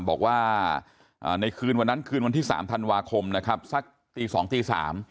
บอกว่าในคืนวันนั้นคืนวันที่๓ธันวาคมนะครับสักตี๒ตี๓